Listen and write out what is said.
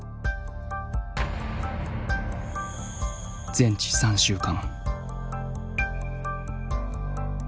全治３週間。